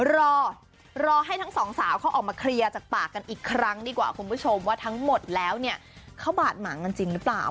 รอรอให้ทั้งสองสาวเขาออกมาเคลียร์จากปากกันอีกครั้งดีกว่าทั้งหมดแล้วนี่เขาบาดหมางจริงไหม